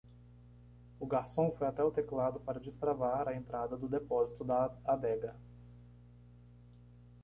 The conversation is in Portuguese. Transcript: O garçom foi até o teclado para destravar a entrada do depósito da adega.